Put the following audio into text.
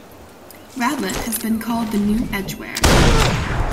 Radlett has been called the new Edgware.